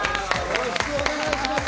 よろしくお願いします。